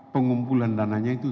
pengumpulan dananya itu